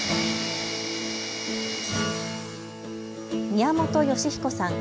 宮本芳彦さん。